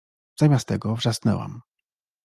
Zamiast tego wrzasnęłam